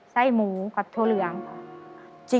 ไส้หมูกับถั่วเหลืองค่ะ